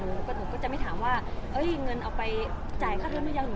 หนูก็จะไม่ถามว่าเฮ้ยเงินเอาไปจ่ายค่ารถหรือยัง